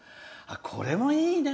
これもいいね。